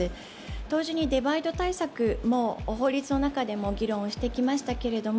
同時にデバイド対策も、法律の中でも議論してきましたけど